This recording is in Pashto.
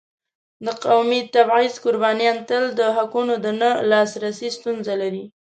د قومي تعصب قربانیان تل د حقونو د نه لاسرسی ستونزه لري.